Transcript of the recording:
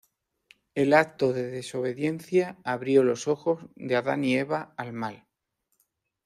El acto de desobediencia abrió los ojos de Adán y Eva al mal.